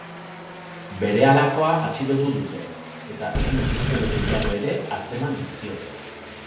Berehalakoa atxilotu dute, eta hiru txiskero gehiago ere atzeman dizkiote.